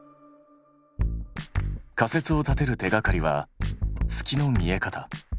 仮説を立てる手がかりは月の見え方。